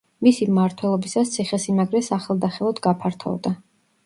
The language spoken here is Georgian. მისი მმართველობისას ციხესიმაგრე სახელდახელოდ გაფართოვდა.